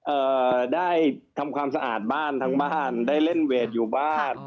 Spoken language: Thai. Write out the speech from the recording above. เอ่อได้ทำความสะอาดบ้านทั้งบ้านได้เล่นเวทอยู่บ้าน